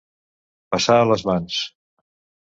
Passar a les mans.